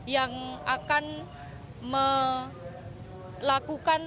yang akan melakukan